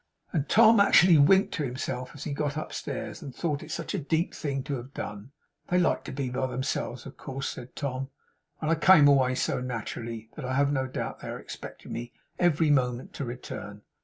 And Tom actually winked to himself when he got upstairs; he thought it such a deep thing to have done. 'They like to be by themselves, of course,' said Tom; 'and I came away so naturally, that I have no doubt they are expecting me, every moment, to return.